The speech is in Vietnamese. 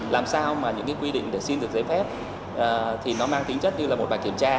làm sao mà những cái quy định để xin được giấy phép thì nó mang tính chất như là một bài kiểm tra